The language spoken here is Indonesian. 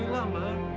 jangan kamu kamila